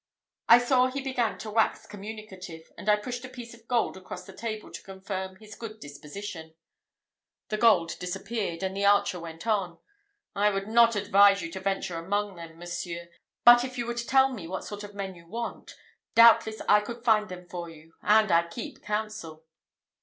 I saw he began to wax communicative, and I pushed a piece of gold across the table to confirm his good disposition. The gold disappeared, and the archer went on. "I would not advise you to venture among them, Monseigneur: but if you would tell me what sort of men you want, doubtless I could find them for you, and I can keep counsel."